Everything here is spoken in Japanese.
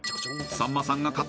さんまさんがあっ。